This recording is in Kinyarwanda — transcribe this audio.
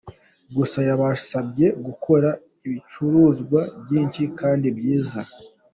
Gusa yabasabye gukora ibicuruzwa byinshi kandi byiza.